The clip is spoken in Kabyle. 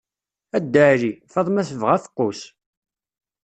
A Dda Ɛli! Faḍma tebɣa afeqqus.